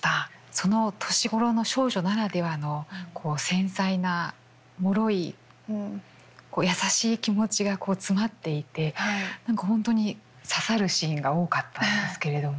その年頃の少女ならではの繊細なもろい優しい気持ちが詰まっていて何か本当に刺さるシーンが多かったんですけれども。